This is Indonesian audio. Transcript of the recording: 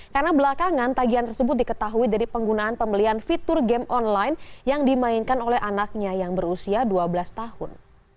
karena belakangan tagian tersebut diketahui dari penggunaan pembelian fitur game online yang dimainkan oleh anaknya yang berusia dua belas tahun